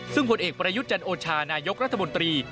ซึ่งผลเอกประยุทธ์จันโอชานายกรัฐมนตรี